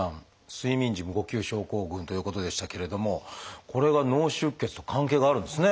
睡眠時無呼吸症候群ということでしたけれどもこれが脳出血と関係があるんですね。